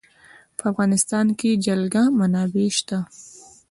په افغانستان کې د جلګه منابع شته.